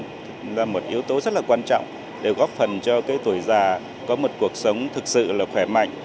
đó là một yếu tố rất quan trọng để góp phần cho tuổi già có một cuộc sống thật sự khỏe mạnh